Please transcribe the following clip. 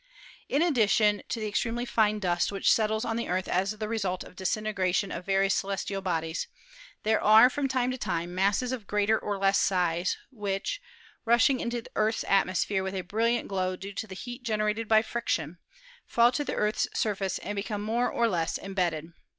In addition to the extremely fine dust which settles on the Earth as the result of the disintegration of various celestial bodies, there are from time to time masses of greater or less size which, rushing into the Earth's at mosphere with a brilliant glow due to the heat generated by friction, fall to the Earth's surface and become more or less embedded.